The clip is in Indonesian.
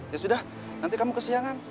ya sudah nanti kamu kesiangan